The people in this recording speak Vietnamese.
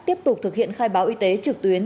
tiếp tục thực hiện khai báo y tế trực tuyến